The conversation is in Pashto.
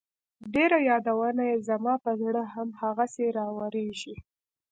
ډېر يادونه يې زما په زړه هم هغسې راوريږي